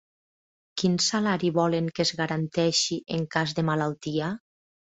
Quin salari volen que es garanteixi en cas de malaltia?